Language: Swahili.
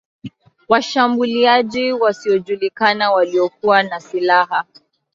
Washambuliaji wasiojulikana waliokuwa na silaha